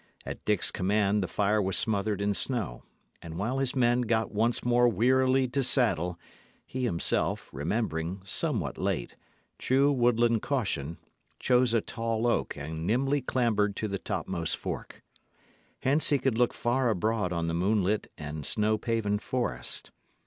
At Dick's command, the fire was smothered in snow; and while his men got once more wearily to saddle, he himself, remembering, somewhat late, true woodland caution, chose a tall oak and nimbly clambered to the topmost fork. Hence he could look far abroad on the moonlit and snow paven forest.